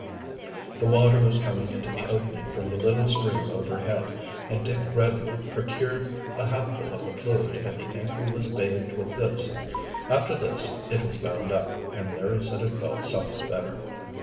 The water was coming into the opening from the little stream overhead, and Dick readily procured a hatful of the fluid and the ankle was bathed with this. After this it was bound up, and Larry said it felt somewhat better.